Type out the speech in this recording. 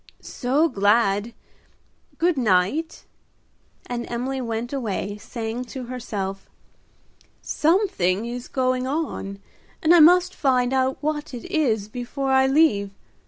"So glad, good night;" and Emily went away, saying to herself, "Something is going on, and I must find out what it is before I leave.